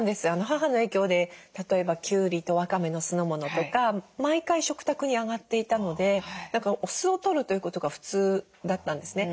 母の影響で例えばきゅうりとわかめの酢の物とか毎回食卓に上がっていたのでお酢をとるということが普通だったんですね。